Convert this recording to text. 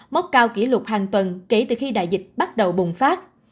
mốc cao kỷ lục hàng tuần kể từ khi đại dịch bắt đầu bùng phát